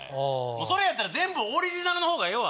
それやったら全部オリジナルのほうがええわ。